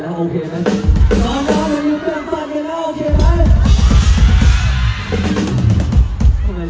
ส่งกันแม่ป์แบกกันไหว